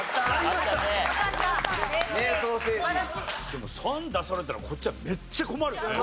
でも３出されたらこっちはめっちゃ困るよね。